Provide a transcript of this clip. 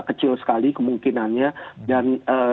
kecil sekali kemungkinannya dan